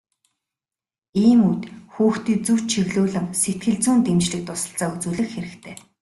Ийм үед хүүхдийг зөв чиглүүлэн сэтгэл зүйн дэмжлэг туслалцаа үзүүлэх хэрэгтэй.